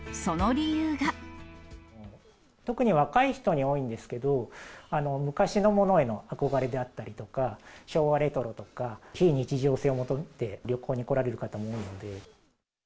特に若い人に多いんですけど、昔のものへの憧れであったりとか、昭和レトロとか、非日常性を求めて旅行に来られる方も多いので。